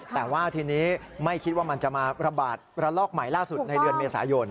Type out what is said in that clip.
แต่ว่าทีนี้ไม่คิดว่ามันจะมาระบาดระลอกใหม่ล่าสุดในเดือนเมษายน